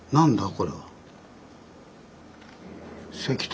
これは。